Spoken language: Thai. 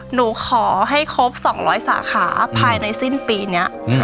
หนูขอให้ครบสองร้อยสาขาอืมภายในสิ้นปีเนี้ยอืมครับ